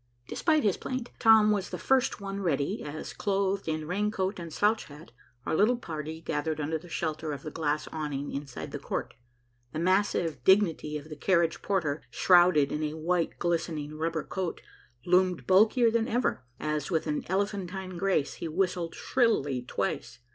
Despite his plaint, Tom was the first one ready, as, clothed in raincoat and slouch hat, our little party gathered under the shelter of the glass awning inside the court. The massive dignity of the carriage porter, shrouded in a white glistening rubber coat, loomed bulkier than ever, as, with an elephantine grace, he whistled shrilly twice.